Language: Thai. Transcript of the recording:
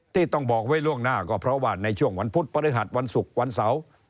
ที่ต้องบอกไว้ล่วงหน้าก็เพราะว่าในช่วงวันพุธพฤหัสวันศุกร์วันเสาร์